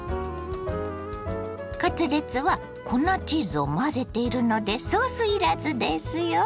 カツレツは粉チーズを混ぜているのでソースいらずですよ。